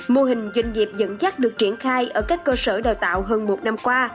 mô hình doanh nghiệp dẫn dắt được triển khai ở các cơ sở đào tạo hơn một năm qua